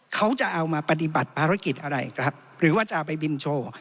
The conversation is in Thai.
เขาจะเอามาปฏิบัติภารกิจอะไรครับหรือว่าจะเอาไปบินโชว์